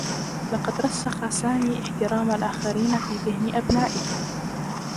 لقد رسّخ سامي احترام الآخرين في ذهن أبنائه.